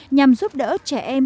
nhằm giúp đỡ trẻ em